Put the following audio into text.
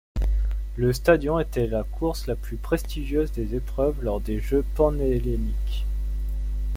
Le stadion était la course la plus prestigieuse des épreuves lors des Jeux panhelléniques.